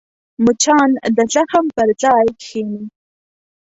مچان د زخم پر ځای کښېني